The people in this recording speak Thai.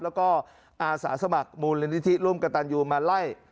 แล้วก็อาสาสมัครมูลนิธิร่วมกับตันยูมาไล่